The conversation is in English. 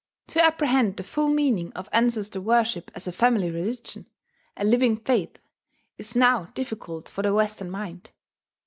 To apprehend the full meaning of ancestor worship as a family religion, a living faith, is now difficult for the Western mind.